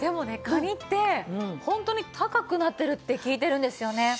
カニってホントに高くなってるって聞いてるんですよね。